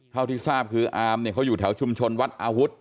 เท่าที่ทราบคืออามเนี่ยเขาอยู่แถวชุมชนวัดอาวุธ